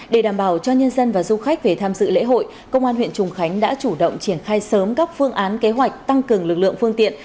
để đảm bảo cho nhân dân và du khách về tham dự lễ hội công an huyện trùng khánh đã chủ động triển khai sớm các phương án kế hoạch tăng cường lực lượng phương tiện